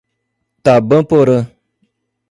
Tabaporã